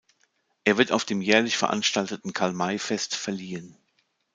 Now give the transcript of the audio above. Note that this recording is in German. Er wird auf dem jährlich veranstalteten Karl-May-Fest verliehen.